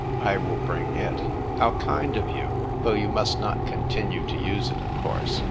I will bring it." " How kind of you ! Though you must not continue to use it, of course.